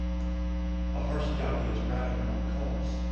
A horse jockey is riding on a course.